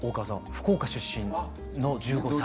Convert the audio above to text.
福岡出身の１５歳。